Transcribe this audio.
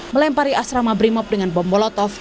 melempari asrama brimob dengan bom molotov